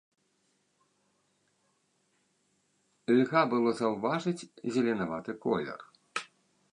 Льга было заўважыць зеленаваты колер.